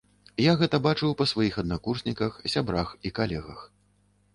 Я гэта бачыў па сваіх аднакурсніках, сябрах і калегах.